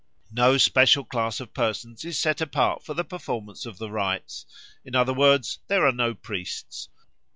No special class of persons is set apart for the performance of the rites; in other words, there are no priests.